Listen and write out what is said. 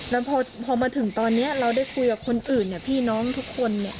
แล้วพอมาถึงตอนนี้เราได้คุยกับคนอื่นเนี่ยพี่น้องทุกคนเนี่ย